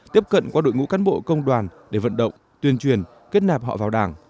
tiếp cận qua đội ngũ cán bộ công đoàn để vận động tuyên truyền kết nạp họ vào đảng